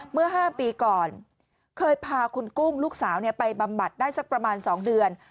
เมื่อ๕ปีก่อนเคยพาคุณกุ้งลูกสาวไปบำบัดได้สักประมาณ๒เดือน